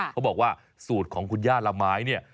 เขาบอกว่าสูตรของคุณย่าละไม้เนี่ย